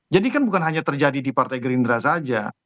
jadi kan bukan hanya terjadi di partai gerindra saja